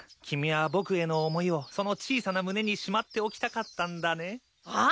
君は僕への思いをその小さな胸にしまっておきたかったんだね。